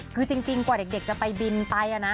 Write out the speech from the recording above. คือจริงกว่าเด็กจะไปบินไปนะ